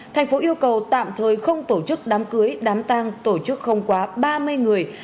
tp yêu cầu tạm thời không tổ chức đám cưới đám tang tổ chức không quá ba mươi người